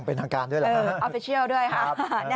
ออฟิเชียลด้วยครับ